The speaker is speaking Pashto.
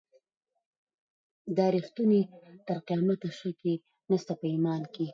دا ریښتونی تر قیامته شک یې نسته په ایمان کي